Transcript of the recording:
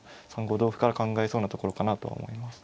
３五同歩から考えそうなところかなとは思います。